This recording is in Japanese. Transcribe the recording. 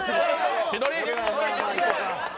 千鳥。